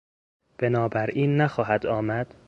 بنابراین نخواهد آمد؟